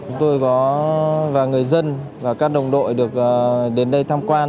chúng tôi có và người dân và các đồng đội được đến đây tham quan